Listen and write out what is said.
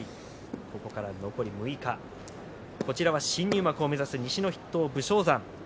ここから６日新入幕を目指す西の筆頭、武将山。